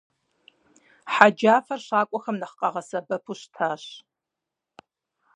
Хъэджафэр щакӀуэхэм нэхъ къагъэсэбэпу щытащ.